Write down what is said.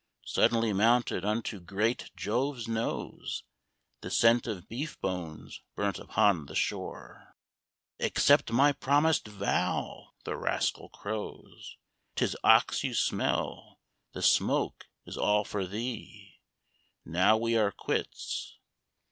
Suddenly mounted unto great Jove's nose The scent of beef bones burnt upon the shore. "Accept my promised vow," the rascal crows; "'Tis ox you smell: the smoke is all for thee: Now we are quits."